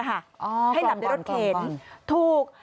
ให้หลับในรถเข็นถูก